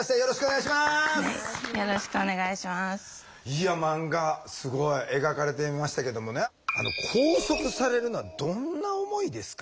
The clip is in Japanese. いや漫画すごい描かれていましたけどもね拘束されるのはどんな思いですか？